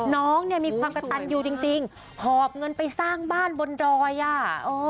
น้องเนี่ยมีความกระตันอยู่จริงจริงหอบเงินไปสร้างบ้านบนดอยอ่ะ